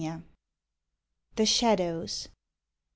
THE SHADOWS.